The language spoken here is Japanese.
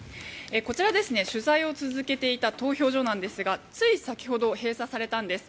こちら、取材を続けていた投票所なんですがつい先ほど閉鎖されたんです。